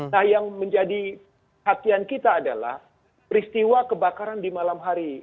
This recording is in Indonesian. nah yang menjadi hatian kita adalah peristiwa kebakaran di malam hari